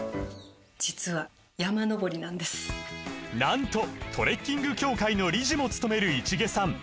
実はなんとトレッキング協会の理事もつとめる市毛さん